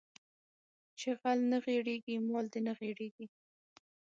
چې غل نه غېړيږي مال دې غېړيږي